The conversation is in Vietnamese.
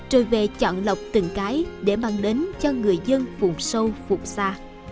rồi về chọn lọc từng cái để mang đến cho người dân vùng sâu vùng xa